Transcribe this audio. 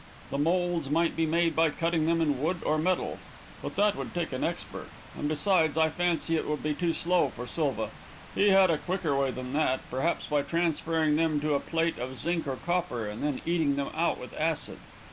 The moulds might be made by cutting them in wood or metal; but that would take an expert and besides, I fancy it would be too slow for Silva. He had a quicker way than that perhaps by transferring them to a plate of zinc or copper and then eating them out with acid.